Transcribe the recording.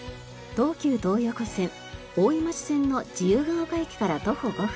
東急東横線大井町線の自由が丘駅から徒歩５分。